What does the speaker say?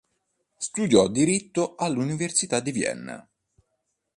Studiò diritto all'Università di Vienna.